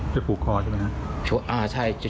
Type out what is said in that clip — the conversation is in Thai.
ผูกคอใช่ไหมครับ